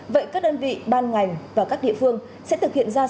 vậy các đơn vị ban ngành và các địa phương sẽ thực hiện ra